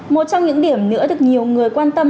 một trong những điểm nữa được nhiều người quan tâm